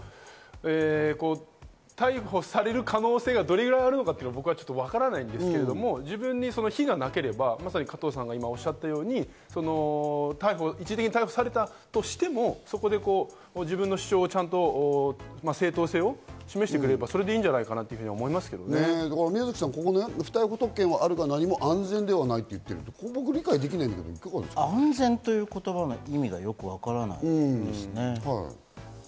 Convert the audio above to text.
逮捕される可能性がどれくらいあるのか、僕はわからないんですけれども、自分に非がなければ、まさに加藤さんがおっしゃように、一時的に逮捕されたとしても、そこで自分の主張を正当性を示してくれればそれでいいんじゃない宮崎さん、不逮捕特権があるから何も安全ではないと言っているのが安全という意味がわからないです。